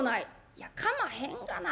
「いやかまへんがな。